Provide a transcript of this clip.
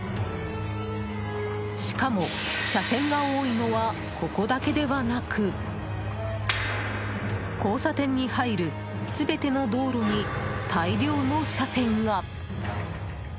しかも、車線が多いのはここだけではなく交差点に入る全ての道路に大量の車線が！